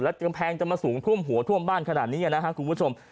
กำแพงจะมาสูงท่วมหัวท่วมบ้านขนาดนี้นะครับคุณผู้ชม